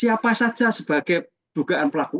siapa saja sebagai dugaan pelaku